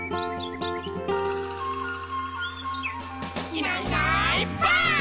「いないいないばあっ！」